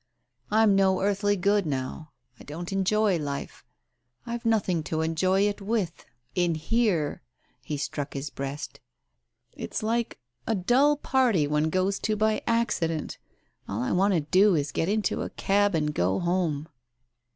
Fm no earthly good now. I don't enjoy life, Fve nothing to enjoy it with — in here" — he struck his breast. "It's like a dull party one goes to by accident. All I want to do is to get into a cab and go home."